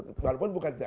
walaupun bukan harga